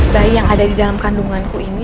bayi yang ada di dalam kandunganku ini